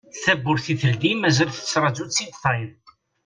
Tawwurt i teldi mazal tettraju-tt-id tayeḍ.